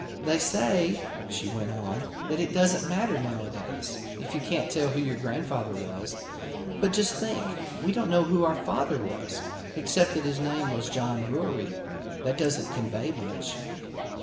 "They say," she went on, "that it doesn't matter, nowadays, if you can't tell who your grandfather was but, just think, we don't know who our father was except that his name was John Bewery. That doesn't convey much."